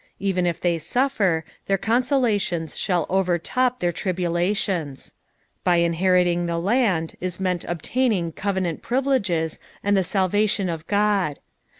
Even if they suffer, their consolations shall overtop their tribulations. By inberiting the land is meant obtaining covenant privileges and the salvation of God.